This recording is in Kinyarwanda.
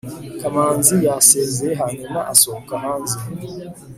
kamanzi yasezeye hanyuma asohoka hanze